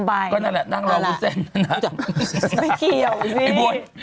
ได้กินคึบเลย